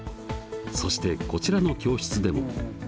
そしてこちらの教室でも。